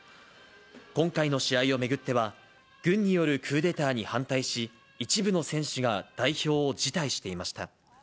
今回の試合を巡っては、軍によるクーデターに反対し、一部の選手が代表を辞退していました。